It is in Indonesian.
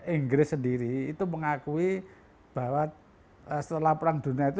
inggris sendiri itu mengakui bahwa setelah perang dunia itu